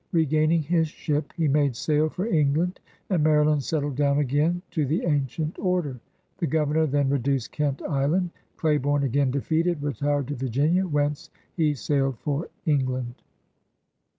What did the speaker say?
Braining his ship, he made sail for England, and Maryland settled down again to the ancient order. The Governor then reduced Kent Island. Claiborne, again defeated, retired to Vir ginia, whence he sailed for England.